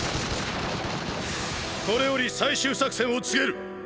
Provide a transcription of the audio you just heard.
これより最終作戦を告げる！！